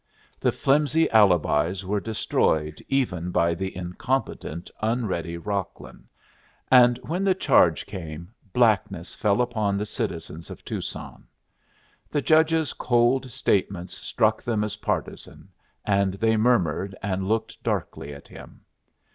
The flimsy alibis were destroyed even by the incompetent, unready Rocklin, and when the charge came blackness fell upon the citizens of Tucson. The judge's cold statements struck them as partisan, and they murmured and looked darkly at him.